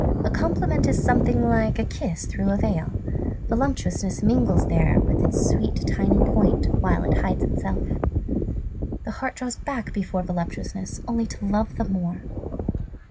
A compliment is something like a kiss through a veil. Voluptuousness mingles there with its sweet tiny point, while it hides itself. The heart draws back before voluptuousness only to love the more.